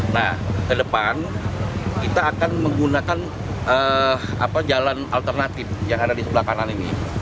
nah ke depan kita akan menggunakan jalan alternatif yang ada di sebelah kanan ini